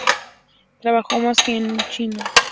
Trabajaba más que un chino